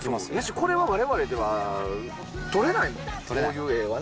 これは僕らでは撮れないわな。